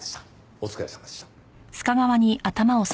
お疲れさまでした。